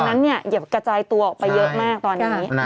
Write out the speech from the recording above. ดังนั้นอย่ากระจายตัวออกไปเยอะมากตอนนี้